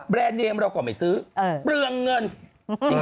แบรนด์เดรมเราก่อนไปซื้อเปลืองเงิน